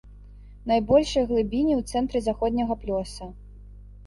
Найбольшыя глыбіні ў цэнтры заходняга плёса.